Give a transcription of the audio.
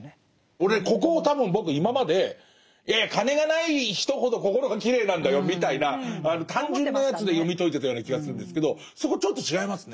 俺ここ多分僕今までいやいや金がない人ほど心がきれいなんだよみたいな単純なやつで読み解いてたような気がするんですけどそこちょっと違いますね。